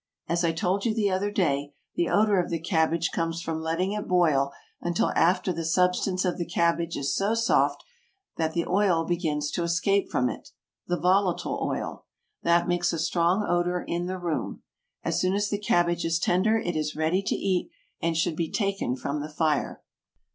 As I told you the other day, the odor of the cabbage comes from letting it boil until after the substance of the cabbage is so soft that the oil begins to escape from it, the volatile oil. That makes a strong odor in the room. As soon as the cabbage is tender it is ready to eat, and should be taken from the fire.